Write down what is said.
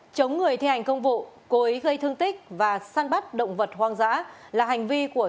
chống người thi hành công vụ cố ý gây thương tích và săn bắt động vật hoang dã là hành vi của